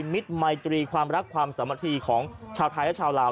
มิตรไมตรีความรักความสามัคคีของชาวไทยและชาวลาว